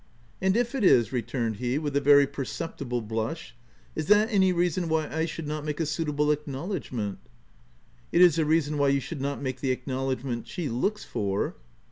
" "And if it is," returned he, with a very per ceptible blush, " is that any reason why I should not make a suitable acknowledgment?" f* It is a reason why you should not make the acknowledgment she looks for."